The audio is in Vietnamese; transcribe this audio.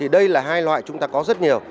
đây là hai loại chúng ta có rất nhiều